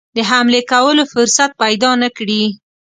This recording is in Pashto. د حملې کولو فرصت پیدا نه کړي.